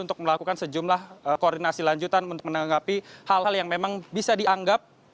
untuk melakukan sejumlah koordinasi lanjutan untuk menanggapi hal hal yang memang bisa dianggap